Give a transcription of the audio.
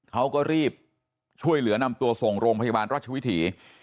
เขาก็รีบช่วยเหลือนำตัวส่งโรงพยาบาลราชวิถี